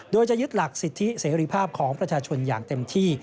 โดยจะยึดหลักสิทธิเสรีภาพของประชาชนอย่างเต็มที่